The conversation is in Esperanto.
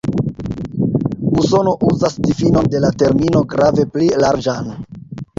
Usono uzas difinon de la termino grave pli larĝan.